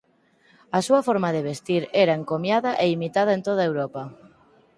A súa forma de vestir era encomiada e imitada en toda Europa.